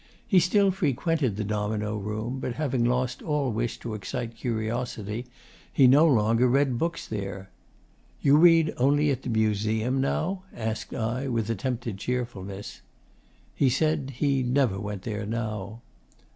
He still frequented the domino room, but, having lost all wish to excite curiosity, he no longer read books there. 'You read only at the Museum now?' asked I, with attempted cheerfulness. He said he never went there now.